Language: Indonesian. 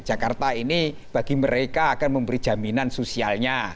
jakarta ini bagi mereka akan memberi jaminan sosialnya